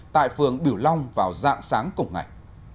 tại phường bửu long vào dạng sáng cùng ngày